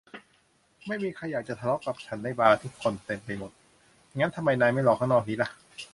ไม่มีใครอยากจะทะเลาะกับฉันในบาร์ที่คนเต็มไปหมด งั้นทำไมนายไม่รอข้างนอกนี้ล่ะ